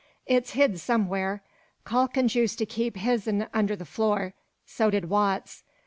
It's hid somewhere. Calkins used to keep his'n under the floor. So did Watts.